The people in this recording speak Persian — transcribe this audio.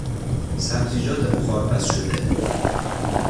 سبزیجات بخار پز شده